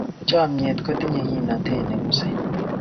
Chomnyet kotinyei kimnatet ne ng'usei.